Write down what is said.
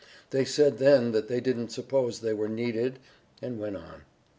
They said then they didn't suppose they were needed and went on.